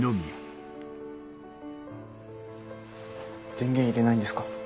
電源入れないんですか？